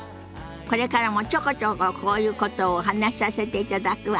これからもちょこちょここういうことをお話しさせていただくわね。